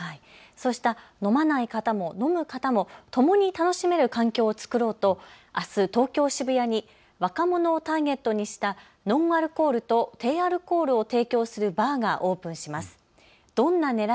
そうした飲まない方も飲む方もともに楽しめる環境作ろうとあす東京渋谷に若者をターゲットにしたノンアルコールと低アルコールを提供するバーがオープンします。